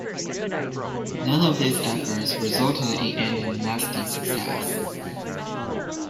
None of these efforts resulted in any lasting success.